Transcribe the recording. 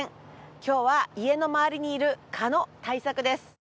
今日は家の周りにいる蚊の対策です。